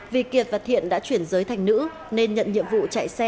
vì kiệt và thiện đã chuyển giới thành nữ nên nhận nhiệm vụ chạy xe